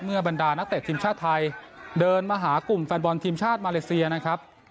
บรรดานักเตะทีมชาติไทยเดินมาหากลุ่มแฟนบอลทีมชาติมาเลเซียนะครับ